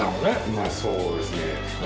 まぁそうですね